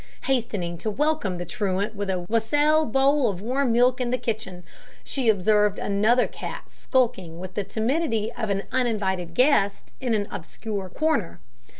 Hastening to welcome the truant with a wassail bowl of warm milk in the kitchen, she observed another cat skulking with the timidity of an uninvited guest in an obscure corner.